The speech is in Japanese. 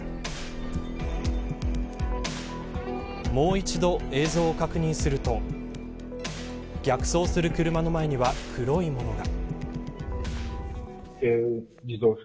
もう一度映像を確認すると逆走する車の前には黒いものが。